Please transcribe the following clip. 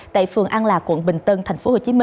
tại phường an lạc quận bình tân tp hcm